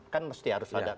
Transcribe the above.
kan harus ada ukurannya